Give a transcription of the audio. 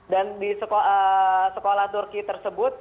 dan di sekolah turki tersebut